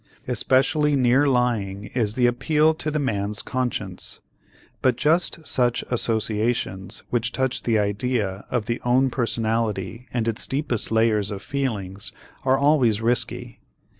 Especially near lying is the appeal to the man's conscience, but just such associations which touch the idea of the own personality and its deepest layers of feelings are always risky.